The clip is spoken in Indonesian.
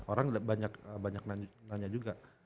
orang banyak nanya juga